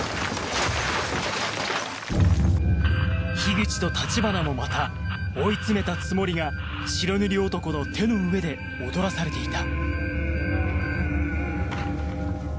口と橘もまた追い詰めたつもりが白塗り男の手の上で踊らされていた